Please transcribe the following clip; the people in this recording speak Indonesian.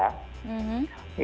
yang diharapkan bisa menjadi